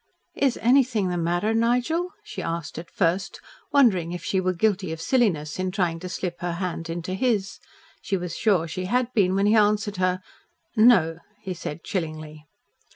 "Is anything the matter, Nigel?" she asked at first, wondering if she were guilty of silliness in trying to slip her hand into his. She was sure she had been when he answered her. "No," he said chillingly.